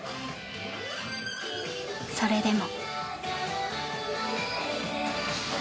それでも。